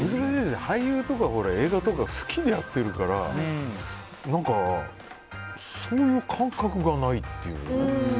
俳優とか映画とかは好きでやってるからそういう感覚がないというか。